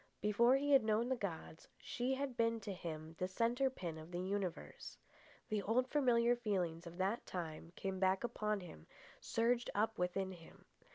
Before he had known the gods, she had been to him the centre pin of the universe. The old familiar feelings of that time came back upon him, surged up within him.